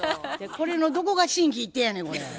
これのどこが心機一転やねんこれ。